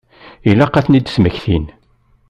Ilaq ad ten-id-smektin.